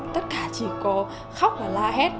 tất cả chỉ có khóc và la hét